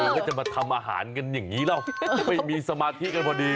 ก็จะมาทำอาหารกันอย่างนี้แล้วไม่มีสมาธิกันพอดี